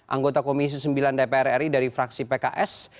anggota komisi sembilan dpr ri dari fraksi pks